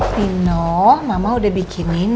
nino mama udah bikinin